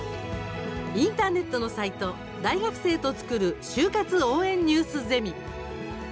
インターネットのサイト「大学生とつくる就活応援ニュースゼミ」。